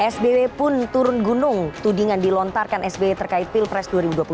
sby pun turun gunung tudingan dilontarkan sby terkait pilpres dua ribu dua puluh empat